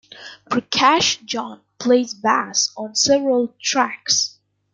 Prakash John plays bass on several tracks.